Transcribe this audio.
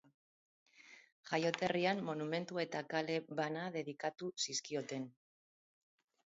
Jaioterrian monumentu eta kale bana dedikatu zizkioten.